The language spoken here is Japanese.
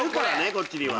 こっちには。